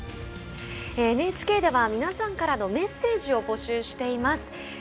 ＮＨＫでは皆さんからのメッセージを募集しています。